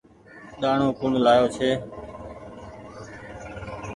ڏآڻو ڪوڻ لآيو ڇي۔